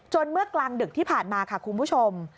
เมื่อกลางดึกที่ผ่านมาค่ะคุณผู้ชม